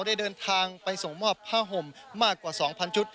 ได้เดินทางไปส่งมอบผ้าห่มมากกว่า๒๐๐ชุด